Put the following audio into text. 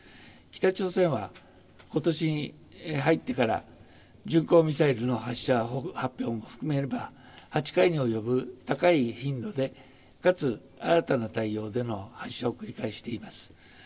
北朝鮮はことしに入ってから巡航ミサイルの発射を含めれば８回に及ぶ高い頻度でかつ新たな対応での発射を繰り返しています。